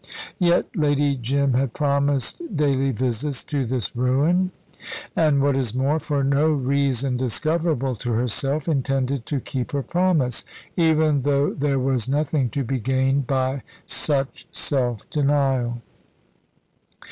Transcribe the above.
Yet Lady Jim had promised daily visits to this ruin, and what is more, for no reason discoverable to herself, intended to keep her promise, even though there was nothing to be gained by such self denial.